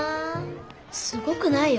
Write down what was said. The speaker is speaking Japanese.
すごくないよ。